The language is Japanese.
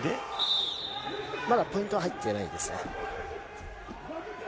まだポイントは入っていないですね。